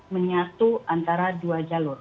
menyatu antara dua negara